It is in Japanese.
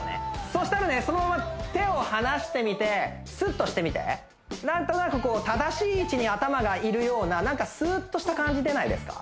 そしたらねそのまま手を離してみてスッとしてみてなんとなく正しい位置に頭がいるようなスーッとした感じ出ないですか？